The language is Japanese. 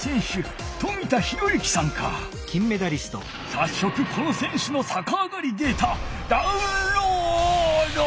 さっそくこの選手のさかあがりデータダウンロード！